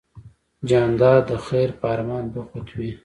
جانداد د خیر په ارمان بوخت وي.